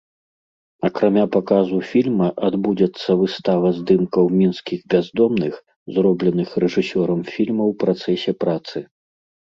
Акрамя паказу фільма адбудзецца выстава здымкаў мінскіх бяздомных, зробленых рэжысёрам фільма ў працэсе працы.